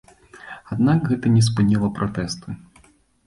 Аднак, гэта не спыніла пратэсты.